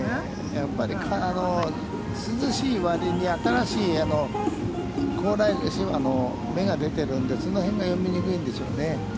やっぱり涼しい割に新しい芽が出ているので、その辺が読みにくいんでしょうね。